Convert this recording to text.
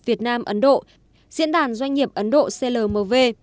việt nam ấn độ diễn đàn doanh nghiệp ấn độ clmv